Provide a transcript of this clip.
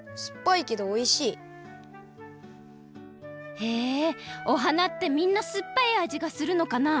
へえお花ってみんなすっぱいあじがするのかな？